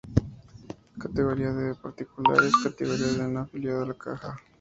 Categoría D. Particulares: categoría de no afiliado a la caja.